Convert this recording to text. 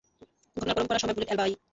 ঘটনার পরম্পরা, সময়, বুলেট, অ্যালিবাই।